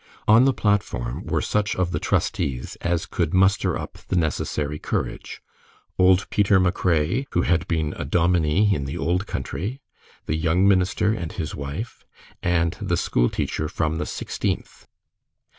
On the platform were such of the trustees as could muster up the necessary courage old Peter MacRae, who had been a dominie in the Old Country, the young minister and his wife, and the schoolteacher from the "Sixteenth."